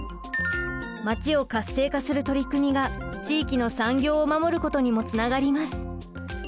まちを活性化する取り組みが地域の産業を守ることにもつながります。